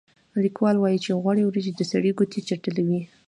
لیکوال وايي چې غوړې وریجې د سړي ګوتې چټلوي.